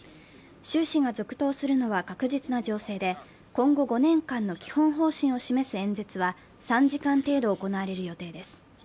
習氏が続投するのは確実な情勢で今後５年間の基本方針を示す演説は３時間程度行われる予定です。